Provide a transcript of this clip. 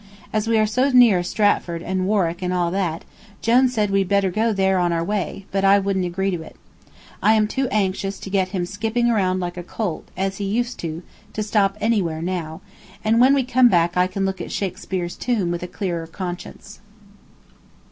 As we are so near Stratford and Warwick and all that, Jone said we'd better go there on our way, but I wouldn't agree to it. I am too anxious to get him skipping round like a colt, as he used to, to stop anywhere now, and when we come back I can look at Shakespeare's tomb with a clearer conscience.